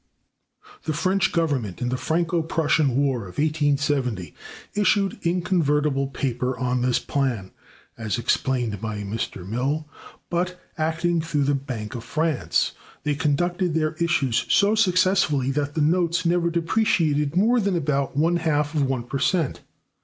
The French Government, in the Franco Prussian War (1870), issued inconvertible paper on this plan, as explained by Mr. Mill; but, acting through the Bank of France, they conducted their issues so successfully that the notes never depreciated more than about one half of one per cent.